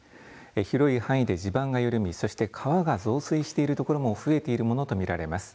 広い範囲で地盤が緩みそして川が増水しているところも増えているものと見られます。